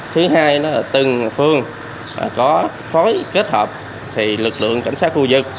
thứ hai là từng phương có phối kết hợp thì lực lượng cảnh sát khu vực